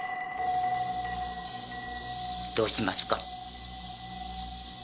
どうしますか？